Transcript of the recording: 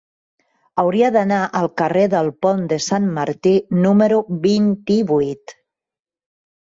Hauria d'anar al carrer del Pont de Sant Martí número vint-i-vuit.